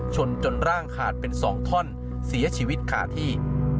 ชนจนร่างขาดเป็น๒ท่อนเสียชีวิตขาที่